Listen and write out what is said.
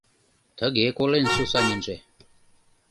Тыге колен Сусанинже